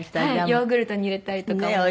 ヨーグルトに入れたりとかも。